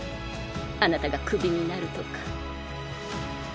あなたがクビになるとか。